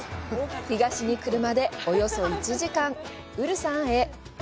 東に車でおよそ１時間、ウルサンへ。